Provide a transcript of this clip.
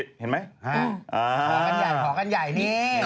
เต๋อง้อยขาวขนาดนั้นล่ะเธอ